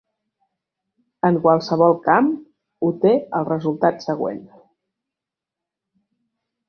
En qualsevol camp, u té el resultat següent.